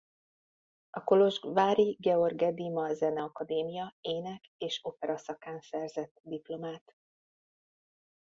A kolozsvári Gheorghe Dima Zeneakadémia ének és opera szakán szerzett diplomát.